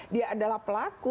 dia adalah pelaku